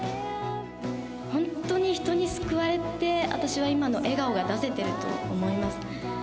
本当に人に救われて、私は今の笑顔が出せてると思います。